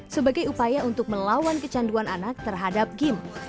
sebagai upaya untuk melawan kecanduan anak terhadap game